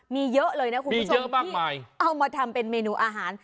มีเยอะเลยนะคุณผู้ชมเอามาทำเป็นเมนูอาหาร